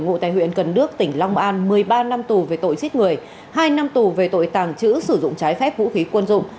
ngụ tại huyện cần đước tỉnh long an một mươi ba năm tù về tội giết người hai năm tù về tội tàng trữ sử dụng trái phép vũ khí quân dụng